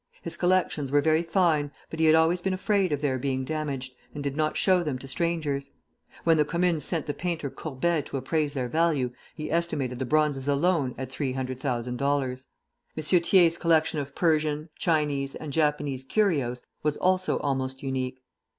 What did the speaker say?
His collections were very fine, but he had always been afraid of their being damaged, and did not show them to strangers. When the Commune sent the painter Courbet to appraise their value, he estimated the bronzes alone at $300,000. M. Thiers' collection of Persian, Chinese, and Japanese curios was also almost unique.